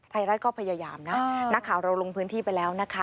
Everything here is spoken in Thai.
ไทยรัฐก็พยายามนะนักข่าวเราลงพื้นที่ไปแล้วนะคะ